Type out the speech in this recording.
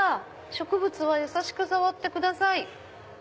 「植物はやさしく触ってください」。